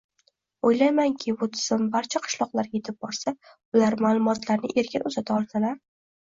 Oʻylaymanki, bu tizim barcha qishloqlargacha yetib borsa, ular maʼlumotlarni erkin uzata olsalar